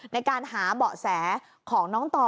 ในการหาเบาะแสของน้องต่อ